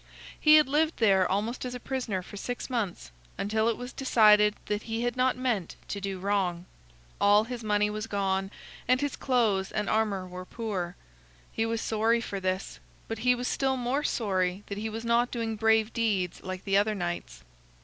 He had lived there almost as a prisoner for six months, until it was decided that he had not meant to do wrong. All his money was gone, and his clothes and armor were poor. He was sorry for this, but he was still more sorry that he was not doing brave deeds like the other knights.